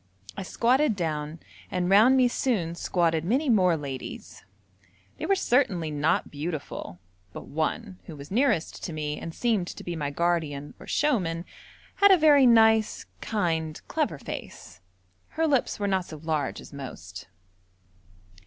I squatted down, and round me soon squatted many more ladies they were certainly not beautiful, but one, who was nearest to me and seemed to be my guardian or showman, had a very nice, kind, clever face. Her lips were not so large as most.